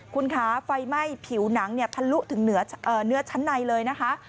คุณคะไฟไหม้ผิวหนังทะลุถึงเนื้อชั้นในเลยนะคะ